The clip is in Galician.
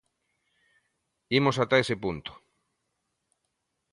Imos ata ese punto.